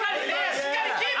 しっかりキープ！